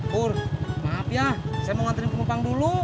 pur maaf ya saya mau nganterin pengepang dulu